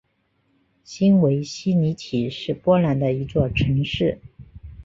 新维希尼奇是波兰的一座城市。